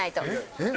えっ？